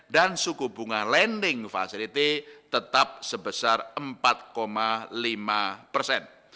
dan suku bunga lending facility tetap sebesar empat lima persen